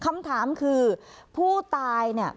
อันดับที่สุดท้าย